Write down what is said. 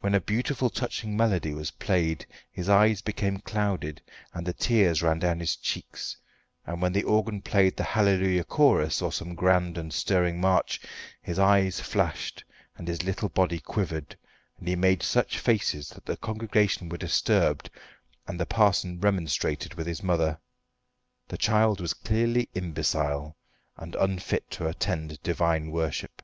When a beautiful, touching melody was played his eyes became clouded and the tears ran down his cheeks; and when the organ played the "Hallelujah Chorus," or some grand and stirring march, his eyes flashed, and his little body quivered, and he made such faces that the congregation were disturbed and the parson remonstrated with his mother. The child was clearly imbecile, and unfit to attend divine worship.